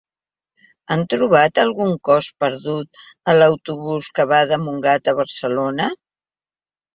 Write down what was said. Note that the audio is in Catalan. Han trobat algun cos perdut a l'autobús que va de Montgat a Barcelona?